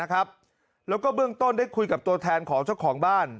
แล้วก็เบื้องต้นได้คุยกับตัวแทนของเจ้าของบ้าน